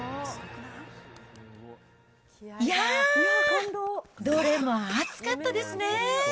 いやー、どれも熱かったですね。